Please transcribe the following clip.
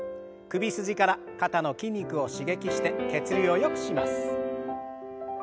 首筋から肩の筋肉を刺激して血流をよくします。